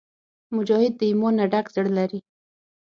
مجاهد د ایمان نه ډک زړه لري.